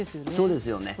そうですよね。